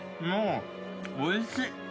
おいしい。